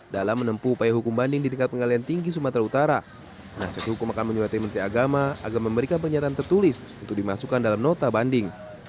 dalam menempuh upaya hukum banding di tingkat pengadilan tinggi sumatera utara penasihat hukum akan menyulati menteri agama agar memberikan pernyataan tertulis untuk dimasukkan dalam nota banding